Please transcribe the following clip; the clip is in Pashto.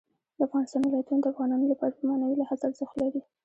د افغانستان ولايتونه د افغانانو لپاره په معنوي لحاظ ارزښت لري.